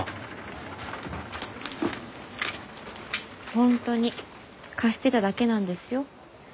本当に貸してただけなんですよ。